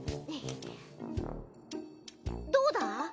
どうだ？